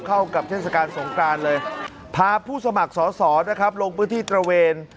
เข้ากับเทศกาลสงกรานเลยพาผู้สมัครสอสอนะครับลงพื้นที่ตระเวน